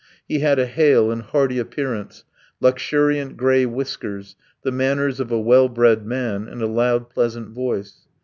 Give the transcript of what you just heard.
He had a hale and hearty appearance, luxuriant grey whiskers, the manners of a well bred man, and a loud, pleasant voice.